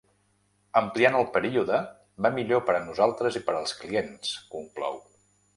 Ampliant el període, va millor per a nosaltres i per als clients, conclou.